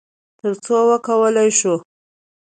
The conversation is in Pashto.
تر څو وکولی شو،